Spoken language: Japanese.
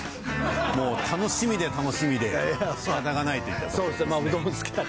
もう楽しみで楽しみでしかたがないといったとこですね。